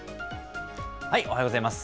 おはようございます。